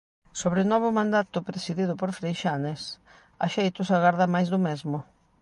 Sobre o novo mandato presidido por Freixanes, Axeitos agarda máis do mesmo.